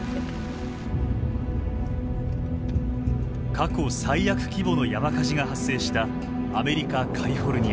過去最悪規模の山火事が発生したアメリカ・カリフォルニア。